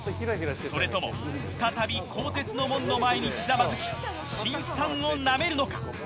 それとも再び鋼鉄の門の前にひざまずき辛酸をなめるのか？